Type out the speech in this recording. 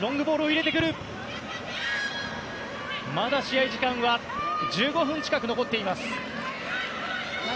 まだ試合時間は１５分近く残っています。